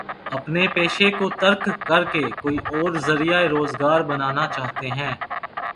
اپنے پیشے کو ترک کر کے کوئی اور ذریعہ روزگار بنانا چاہتے ہیں؟